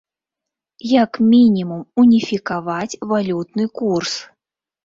Як мінімум уніфікаваць валютны курс.